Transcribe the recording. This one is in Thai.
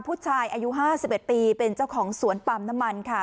ผู้ชายอายุ๕๑ปีเป็นเจ้าของสวนปั๊มน้ำมันค่ะ